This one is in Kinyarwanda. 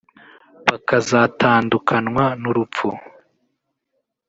bakazatandukanwa n’urupfu